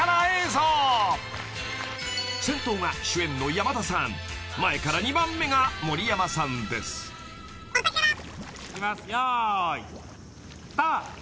［先頭が主演の山田さん前から２番目が森山さんです］いきます。